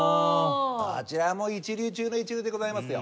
どちらも一流中の一流でございますよ。